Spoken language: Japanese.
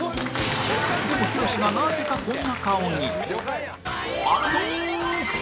でもヒロシがなぜかこんな顔に